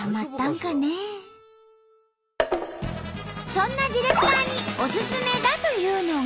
そんなディレクターにおすすめだというのが。